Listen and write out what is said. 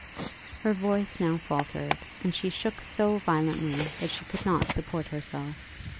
Her voice now faultered, and she shook so violently that she could not support herself.